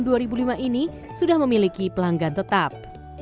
tahun dua ribu lima ini sudah memiliki pelanggan tetap